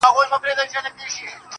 داسي په ماښام سترگي راواړوه~